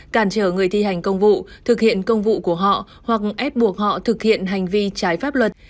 cản trở người thi hành công vụ thực hiện công vụ của họ hoặc ép buộc họ thực hiện hành vi trái pháp luật